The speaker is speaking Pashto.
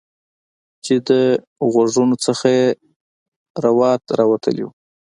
چې د غوږونو څخه یې روات راوتلي وو